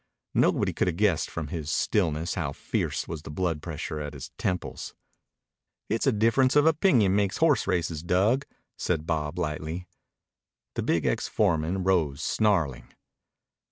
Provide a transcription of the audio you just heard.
Nobody could have guessed from his stillness how fierce was the blood pressure at his temples. "It's a difference of opinion makes horse races, Dug," said Bob lightly. The big ex foreman rose snarling.